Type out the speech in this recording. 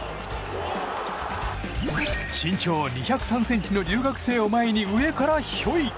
身長２０３ｃｍの留学生を前に上からひょい！